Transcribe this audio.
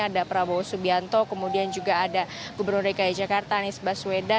ada prabowo subianto kemudian juga ada gubernur dki jakarta anies baswedan